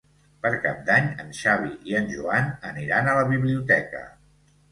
Per Cap d'Any en Xavi i en Joan aniran a la biblioteca.